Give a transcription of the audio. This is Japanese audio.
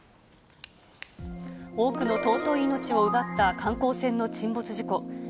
多くの尊い命を奪った観光船の沈没事故。